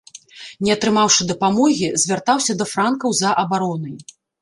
Не атрымаўшы дапамогі звяртаўся да франкаў за абаронай.